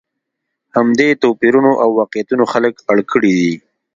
همدې توپیرونو او واقعیتونو خلک اړ کړي دي.